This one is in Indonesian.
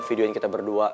video yang kita berdua